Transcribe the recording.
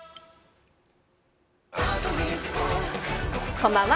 こんばんは。